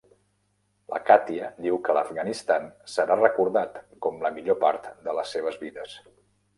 La Katya diu que l'Afganistan serà recordat com la millor part de les seves vides.